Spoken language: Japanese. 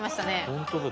本当だ。